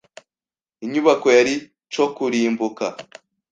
Inyubako yari coKurimbuka.